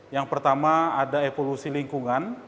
yang pertama ada evolusi lingkungan